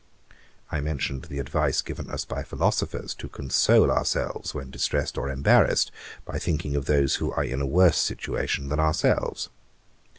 I mentioned the advice given us by philosophers, to console ourselves, when distressed or embarrassed, by thinking of those who are in a worse situation than ourselves.